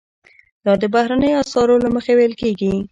دا د بهرنیو اسعارو له مخې ویل کیږي.